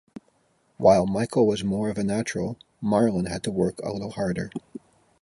While Michael was more of a natural, Marlon had to work a little harder.